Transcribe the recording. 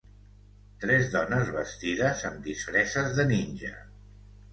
Tres dones vestides amb disfresses de ninja.